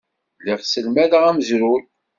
Lliɣ sselmadeɣ amezruy.